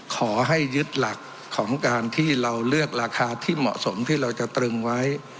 ขอให้ยึดหลักของการที่เราเลือกราคาที่เหมาะสมที่เราจะตรึงไว้